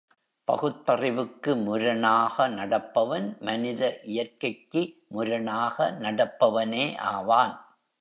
பகுத்தறிவுக்கு முரணாக நடப்பவன் மனித இயற்கைக்கு முரணாக நடப்பவனே ஆவான்.